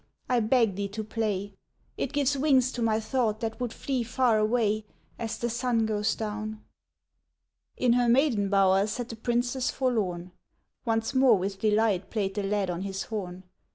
I beg thee to play! It gives wings to my thought that would flee far away, As the sun goes down." In her maiden bower sat the Princess forlorn, Once more with delight played the lad on his horn.